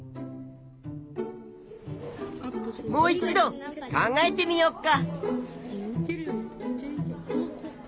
もう一度考えてみよっか！